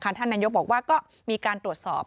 ท่านนายกบอกว่าก็มีการตรวจสอบ